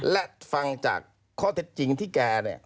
และฟังจากข้อเท็จจริงที่แกเนี่ย